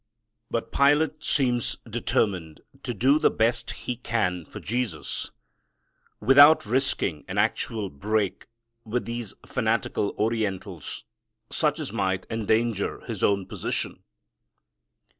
But Pilate seems determined to do the best he can for Jesus, without risking an actual break with these fanatical Orientals such as might endanger his own position.